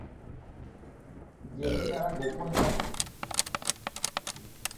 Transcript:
যেটি তারা গোপন রাখে।